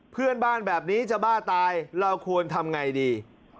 เพื่อนบ้านแบบนี้จะบ้าตายเราควรทำไงดี